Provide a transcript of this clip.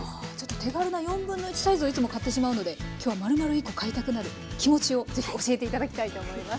手軽な1/4サイズをいつも買ってしまうので今日はまるまる１コ買いたくなる気持ちをぜひ教えて頂きたいと思います。